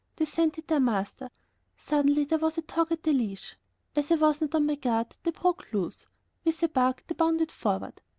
They scented their master. Suddenly there was a tug at the leash. As I was not on my guard, they broke loose. With a bark they bounded forward.